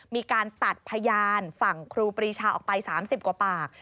มีการตัดพยานฝั่งครูปรีชาออกไป๓๐กว่าปาก